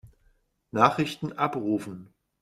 Nachrichten abrufen.